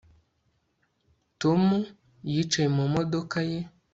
Tom yicaye mu modoka ye